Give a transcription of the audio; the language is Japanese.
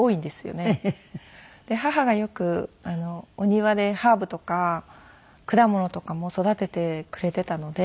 で母がよくお庭でハーブとか果物とかも育ててくれていたので。